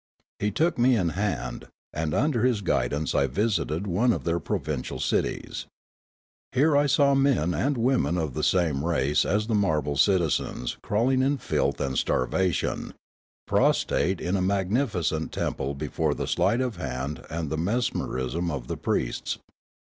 He took me in hand, and under his guidance I visited one of their provincial cities. Here I saw men and women of the same race as the marble citizens crawling in filth and starvation, prostrate in a magnificent temple before the sleight of hand and the mesmerism of the priests.